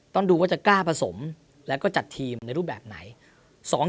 ต้องดูว่าจะกล้าผสมแล้วก็จัดทีมในรูปแบบไหน